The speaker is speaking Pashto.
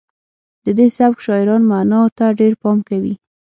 د دې سبک شاعران معنا ته ډیر پام کوي